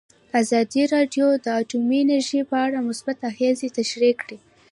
ازادي راډیو د اټومي انرژي په اړه مثبت اغېزې تشریح کړي.